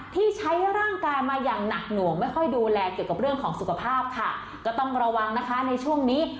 ที่ใช้ร่างกายมาอย่างหนักหน่วงไม่ค่อยดูแลเกี่ยวกับเรื่องของสุขภาพค่ะก็ต้องระวังนะคะในช่วงนี้